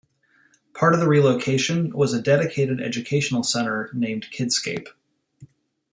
Part of the relocation was a dedicated educational centre, named Kidscape.